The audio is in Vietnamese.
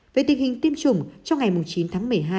về tình hình tiêm chủng trong ngày chín tháng một mươi hai